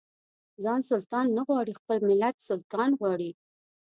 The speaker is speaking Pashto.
ځان سلطان نه غواړي خپل ملت سلطان غواړي.